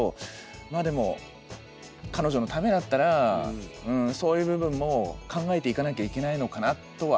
まあでも彼女のためだったらそういう部分も考えていかなきゃいけないのかなとは。